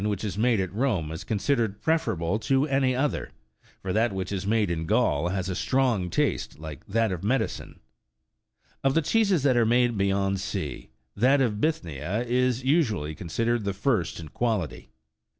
The cheese of this kind which is made at Rome is considered preferable to any other ; for that which is made in Gaul has a strong taste, like that of medicine. Of. the cheeses that are made beyond sea, that of Bithyma32 is usually considered the first in quality.